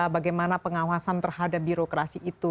bagaimana pengawasan terhadap birokrasi itu